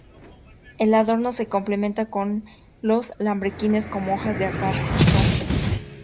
El adorno se complementa con los lambrequines, como hojas de acanto.